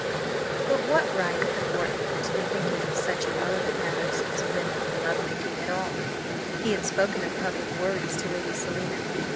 But what right had Wharton to be thinking of such irrelevant matters as women and love making at all? He had spoken of public worries to Lady Selina.